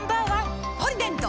「ポリデント」